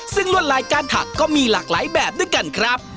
ซึ่งลวดลายการถักก็มีหลากหลายแบบด้วยกันครับ